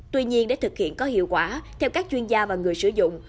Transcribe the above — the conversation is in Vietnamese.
tuy nhiên để thực hiện có hiệu quả theo các chuyên gia và người sử dụng